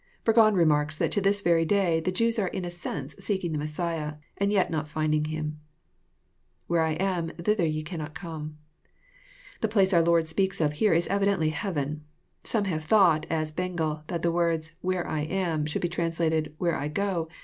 Burgon remarks, that to this very day the Jews are in a sense seeking the Messiah, and yet not finding Him. \_Where I am, thither ye cannot come,'] The place our Lord speaks of here is eviclfintly heaven. Somehave thought, as Bengel, that the wordsT^ where I am," should be translated, '* where I go."